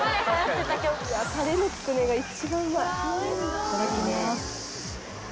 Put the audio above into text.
タレのつくねが一番うまい。